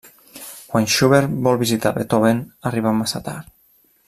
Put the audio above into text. Quan Schubert vol visitar Beethoven, arriba massa tard: